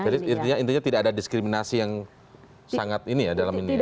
jadi intinya tidak ada diskriminasi yang sangat ini ya dalam ini